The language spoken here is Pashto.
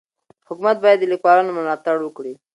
حکومت باید د لیکوالانو ملاتړ وکړي.